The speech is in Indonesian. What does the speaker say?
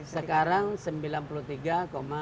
sekarang sembilan puluh tiga tiga persen